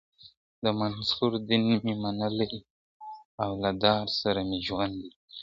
د منصور دین مي منلې او له دار سره مي ژوند دی `